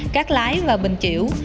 cát lái và bình chiểu